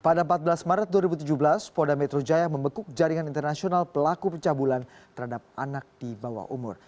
pada empat belas maret dua ribu tujuh belas polda metro jaya membekuk jaringan internasional pelaku pencabulan terhadap anak di bawah umur